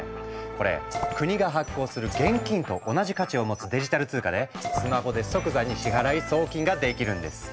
これ国が発行する現金と同じ価値を持つデジタル通貨でスマホで即座に支払い・送金ができるんです。